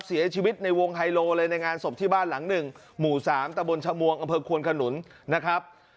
เสียชีวิตในวงไฮโลเลยในงานศพที่บ้านหลังหนึ่งหมู่๓ตะบนชมวงอำเภอควนขนุนนะครับ